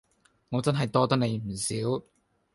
我真係多得你唔少